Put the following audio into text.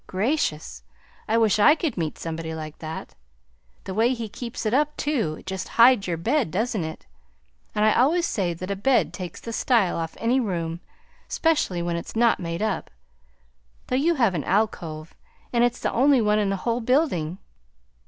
Gracious! I wish I could meet somebody like that. The way he keeps it up, too! It just hides your bed, doesn't it, and I always say that a bed takes the style off any room specially when it's not made up; though you have an alcove, and it's the only one in the whole building.